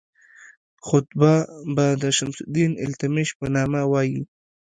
خطبه به د شمس الدین التمش په نامه وایي.